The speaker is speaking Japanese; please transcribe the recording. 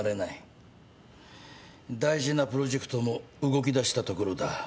大事なプロジェクトも動きだしたところだ。